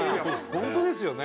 本当ですよね。